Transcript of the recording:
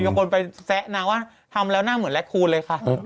คนไปแซะนางว่าทำแล้วหน้าเหมือนแล็คคูณเลยค่ะ